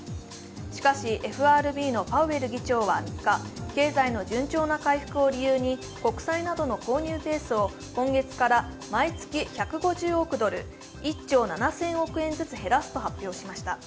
しかし、ＦＲＢのパウエル議長は３日経済の順調な回復を理由に国債などの購入ペースを今月から毎月１５０億ドル、１兆７０００億円ずつ減らすと発表しました。